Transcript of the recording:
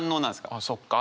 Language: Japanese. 「あそっか」